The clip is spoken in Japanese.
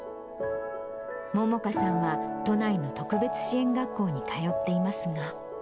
萌々華さんは都内の特別支援学校に通っていますが。